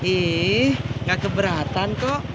ih gak keberatan kok